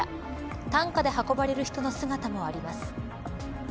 担架で運ばれる人の姿もあります。